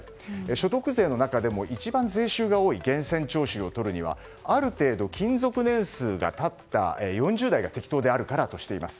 所得税の中でも一番税収が多い源泉徴収を取るにはある程度、勤続年数が経った４０代が適当であるからとしています。